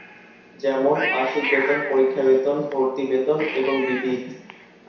যেমনঃ মাসিক বেতন, পরীক্ষা বেতন, ভর্তি বেতন এবং বিবিধ।